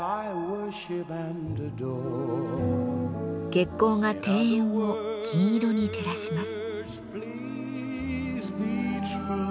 月光が庭園を銀色に照らします。